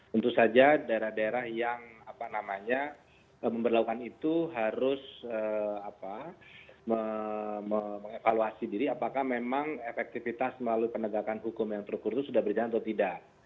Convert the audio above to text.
tentu saja daerah daerah yang memperlakukan itu harus mengevaluasi diri apakah memang efektivitas melalui penegakan hukum yang terukur itu sudah berjalan atau tidak